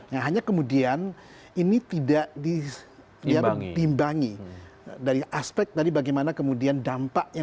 nah hanya kemudian ini tidak diimbangi dari aspek dari bagaimana kemudian dampak yang